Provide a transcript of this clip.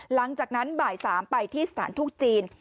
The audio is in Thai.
หลังจากนั้นบ่าย๓ไปที่สถานทูตจีน